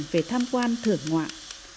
về tham quan thưởng ngoạn